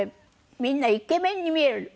みんなイケメンに見える。